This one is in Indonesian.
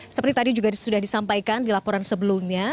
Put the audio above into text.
seperti tadi juga sudah disampaikan di laporan sebelumnya